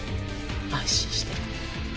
安心して。